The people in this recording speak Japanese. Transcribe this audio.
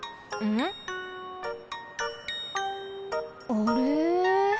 あれ？